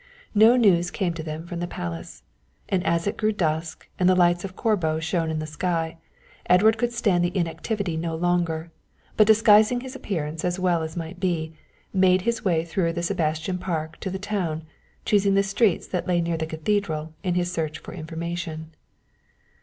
No news came to them from the Palace, and as it grew dusk and the lights of Corbo shone in the sky, Edward could stand the inactivity no longer, but disguising his appearance as well as might be, made his way through the Sebastin Park down to the town, choosing the streets that lay near the cathedral in his search for information.